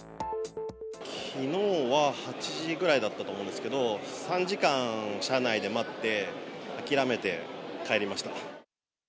きのうは８時ぐらいだったと思うんですけど、３時間車内で待って、諦めて帰りました。